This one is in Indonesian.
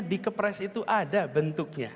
di kepres itu ada bentuknya